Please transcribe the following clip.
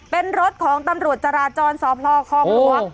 เป็นรถของตำรวจจราจรสพคลองหลวง